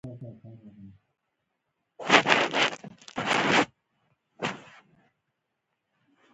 ایا زه باید په فرش ویده شم؟